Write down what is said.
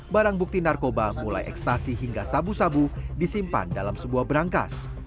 barang bukti narkoba mulai ekstasi hingga sabu sabu disimpan dalam sebuah berangkas